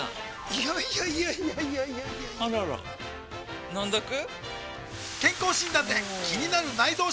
いやいやいやいやあらら飲んどく？